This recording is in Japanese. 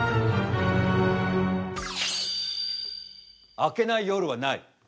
明けない夜はない。